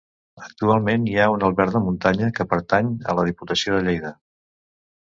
Actualment hi ha un alberg de muntanya, que pertany a la Diputació de Lleida.